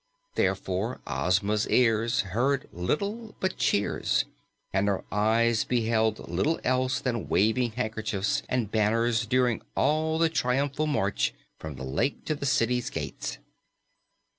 Therefore Ozma's ears heard little but cheers, and her eyes beheld little else than waving handkerchiefs and banners during all the triumphal march from the lake to the city's gates.